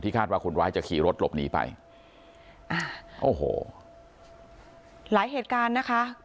คาดว่าคนร้ายจะขี่รถหลบหนีไปอ่าโอ้โหหลายเหตุการณ์นะคะ